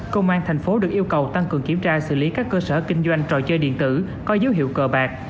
công an thành phố được yêu cầu tăng cường kiểm tra xử lý các cơ sở kinh doanh trò chơi điện tử có dấu hiệu cờ bạc